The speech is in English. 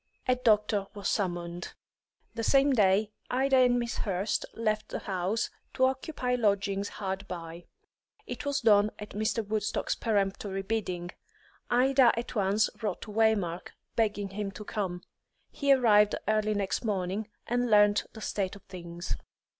A doctor was summoned. The same day Ida and Miss Hurst left the house, to occupy lodgings hard by; it was done at Mr. Woodstock's peremptory bidding. Ida at once wrote to Waymark, begging him to come; he arrived early next morning, and learnt the state of things.